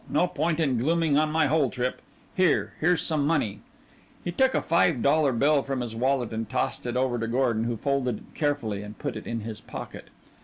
No point in glooming on my whole trip. Here, here's some money." He took a five dollar bill from his wallet and tossed it over to Gordon, who folded it carefully and put it in his pocket.